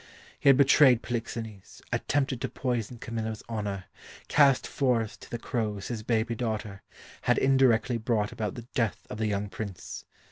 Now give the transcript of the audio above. He had betrayed Polixenes, attempted to poison Camillo's honour, cast forth to the crows his baby daughter, had indirectly brought about the death of the young Prince.